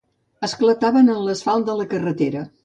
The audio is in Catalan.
Esclataven en l'asfalt de la carretera.